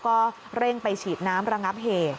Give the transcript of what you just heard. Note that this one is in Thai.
ก็เร่งไปฉีดน้ำระงับเหตุ